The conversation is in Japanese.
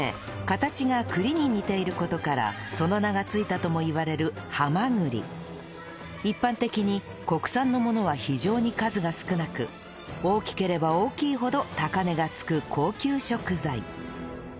形が栗に似ている事からその名が付いたともいわれる一般的に国産のものは非常に数が少なく大きければ大きいほど高値がつく高級食材